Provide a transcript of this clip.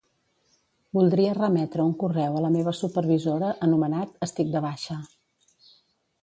Voldria remetre un correu a la meva supervisora anomenat "estic de baixa".